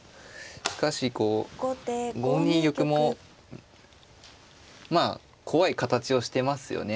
しかしこう５二玉もまあ怖い形をしてますよね。